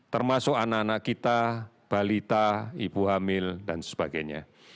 termasuk anak anak kita balita ibu hamil dan sebagainya